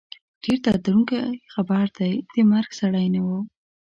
ډېر دردوونکی خبر دی، د مرګ سړی نه وو